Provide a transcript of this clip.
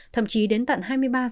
thậm chí đến tận hai mươi ba h